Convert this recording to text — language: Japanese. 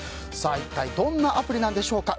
一体、どんなアプリなんでしょうか。